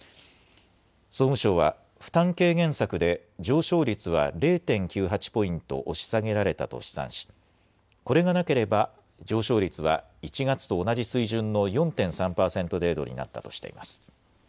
総務省は負担軽減策で上昇率は０．９８ポイント押し下げられたと試算しこれがなければ上昇率は１月と同じ水準の４．３％程度になったとしています。